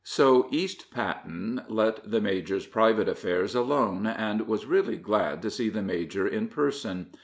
So East Patten let the major's private affairs alone, and was really glad to see the major in person.